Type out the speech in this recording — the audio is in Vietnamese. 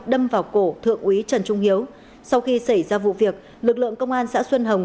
đâm vào cổ thượng úy trần trung hiếu sau khi xảy ra vụ việc lực lượng công an xã xuân hồng